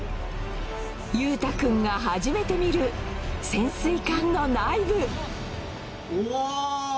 裕太君が初めて見る潜水艦の内部うわ！